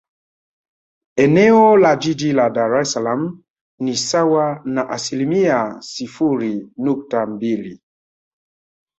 Eneo la Jiji la Dar es Salaam ni sawa na asilimia sifuri nukta mbili